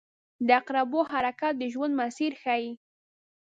• د عقربو حرکت د ژوند مسیر ښيي.